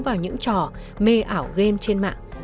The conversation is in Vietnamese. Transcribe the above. vào những trò mê ảo game trên mạng